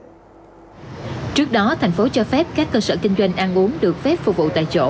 trước đó tp hcm cho phép các cơ sở kinh doanh ăn uống được phép phục vụ tại chỗ